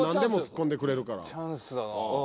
チャンスだなぁ。